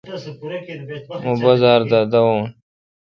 مہ بازار دا داوین۔